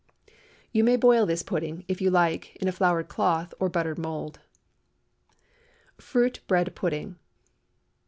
You may boil this pudding, if you like, in a floured cloth or buttered mould. FRUIT BREAD PUDDING.